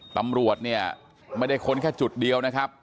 ตำรวจเนี่ยไม่ได้ค้นแค่จุดเดียวนะครับ